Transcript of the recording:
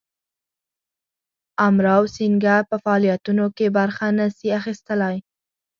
امراو سینګه په فعالیتونو کې برخه نه سي اخیستلای.